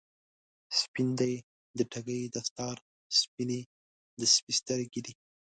سپین دی د ټګۍ دستار، سپینې د سپي سترګی دي